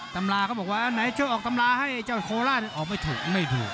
ตำราเขาบอกว่าอันไหนช่วยออกตำราให้เจ้าโคราชออกไม่ถูกไม่ถูก